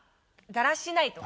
だらしないとか？